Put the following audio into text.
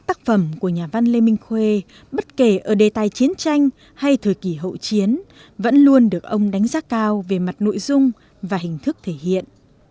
tác phẩm của nhà văn lê minh khuê bất kể ở đề tài chiến tranh hay thời kỳ hậu chiến vẫn luôn được ông đánh giá cao về mặt nội dung và hình thức thể hiện